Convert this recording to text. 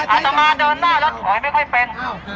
อาตมาเดินหน้าแล้วถอยไม่ค่อยเป็น